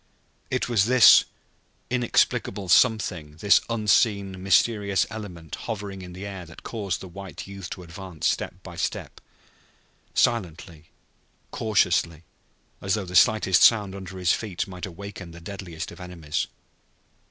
It was this inexplicable something this unseen, mysterious element hovering in the air that caused the white youth to advance step by step, silently, cautiously, as though the slightest sound under his feet might awaken the deadliest of enemies.